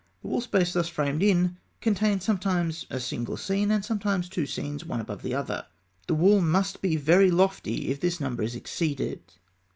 The wall space thus framed in contained sometimes a single scene and sometimes two scenes, one above the other. The wall must be very lofty, if this number is exceeded.